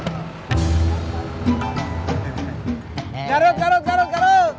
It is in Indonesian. garut garut garut garut